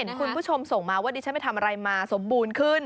คุณผู้ชมส่งมาว่าดิฉันไปทำอะไรมาสมบูรณ์ขึ้น